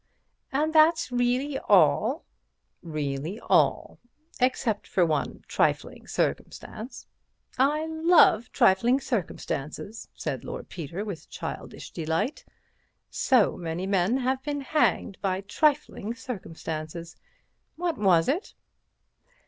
"And that's really all?" "Really all. Except for one very trifling circumstance." "I love trifling circumstances," said Lord Peter, with childish delight; "so many men have been hanged by trifling circumstances. What was it?"